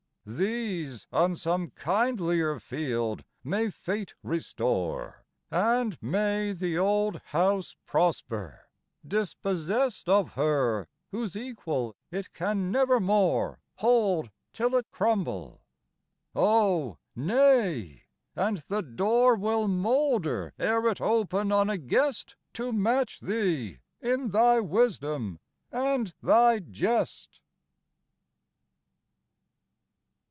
These on some kindlier field may Fate restore, And may the old house prosper, dispossest Of her whose equal it can nevermore Hold till it crumble: O nay! and the door Will moulder ere it open on a guest To match thee in thy wisdom and thy jest.